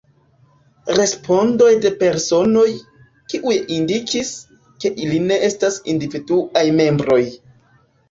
Respondoj de personoj, kiuj indikis, ke ili ne estas individuaj membroj.